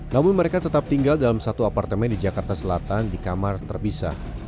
namun mereka tetap tinggal dalam satu apartemen di jakarta selatan di kamar terpisah